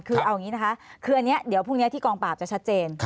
คืออันนี้เดี๋ยวพรุ่งนี้ที่กองปราบจะชัดเจน